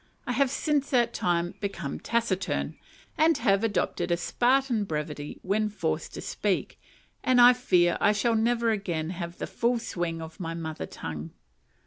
I have since that time become taciturn, and have adopted a Spartan brevity when forced to speak, and I fear I shall never again have the full swing of my mother tongue.